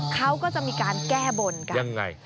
เขาก็จะมีการแก้บนกันยังไง